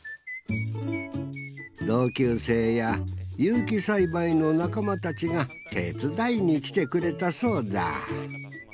同級生や有機栽培の仲間たちが手伝いに来てくれたそうだ